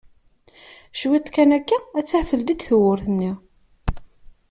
Cwiṭ kan akka attah teldi-d tewwurt-nni.